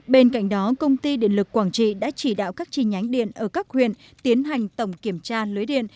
bên cạnh đó công ty điện lực quảng trị đã chỉ đạo các chi nhánh điện ở các huyện tiến hành tổng kiểm tra lưới điện